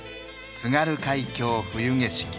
「津軽海峡・冬景色」。